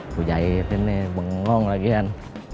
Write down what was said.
bu jaib ini bengong lagian